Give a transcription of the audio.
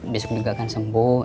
besok juga akan sembuh